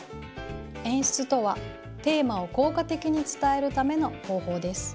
演出とはテーマを効果的に伝えるための方法です。